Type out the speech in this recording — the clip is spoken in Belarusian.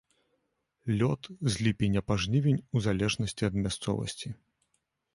Лёт з ліпеня па жнівень у залежнасці ад мясцовасці.